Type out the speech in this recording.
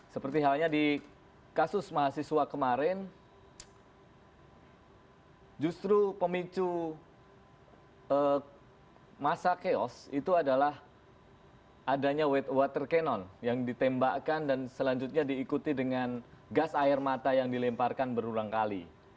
seperti halnya di kasus mahasiswa kemarin justru pemicu masa chaos itu adalah adanya water cannon yang ditembakkan dan selanjutnya diikuti dengan gas air mata yang dilemparkan berulang kali